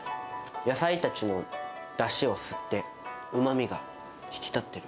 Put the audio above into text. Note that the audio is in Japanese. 野菜たちのだしを吸って、うまみが引き立ってる。